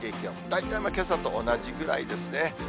大体けさと同じぐらいですね。